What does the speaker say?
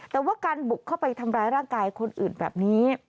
แต่ว่าการบุกเข้าไปทำร้ายร่างกายคนอื่นแบบนี้